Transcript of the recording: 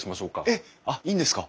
えっ！あっいいんですか？